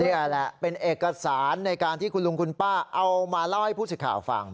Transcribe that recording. นี่แหละเป็นเอกสารในการที่คุณลุงคุณป้าเอามาเล่าให้ผู้สิทธิ์ข่าวฟัง